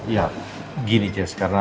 ya gini jess karena